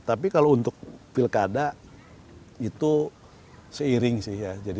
tapi kalau untuk pilkada itu seiring sih ya